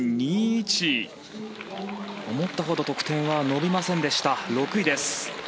思ったほど得点伸びませんでした６位です。